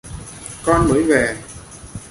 con mới về